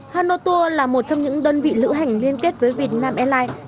hano tour là một trong những đơn vị lữ hành liên kết với việt nam airlines